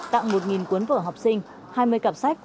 tặng một cuốn vở học sinh hai mươi cặp sách